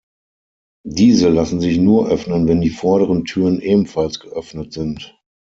Diese lassen sich nur öffnen, wenn die vorderen Türen ebenfalls geöffnet sind.